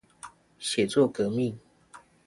寫作革命